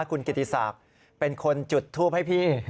คุณกิติศักดิ์เป็นคนจุดทูปให้พี่